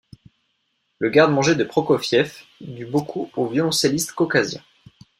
Le garde-manger de Prokofiev dut beaucoup au violoncelliste caucasien.